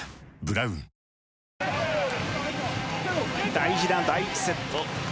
大事な第１セット。